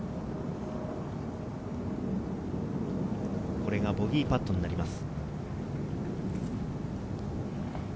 これがボギーパットになります。